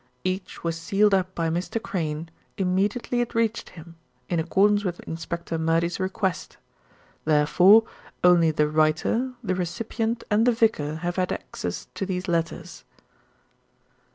Each was sealed up by Mr. Crayne immediately it reached him, in accordance with Inspector Murdy's request. Therefore, only the writer, the recipient and the vicar have had access to these letters."